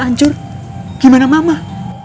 kalau papa mama tau